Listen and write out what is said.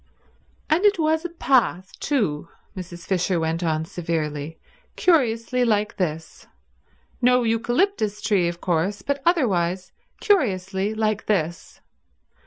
"And it was a path, too," Mrs. Fisher went on severely, "curiously like this. No eucalyptus tree, of course, but otherwise curiously like this.